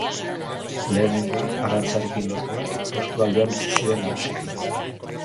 Lehenengoak, arrantzarekin lotuak, portu aldean bizi ziren nagusiki.